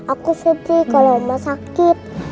aku sedih kalo oma sakit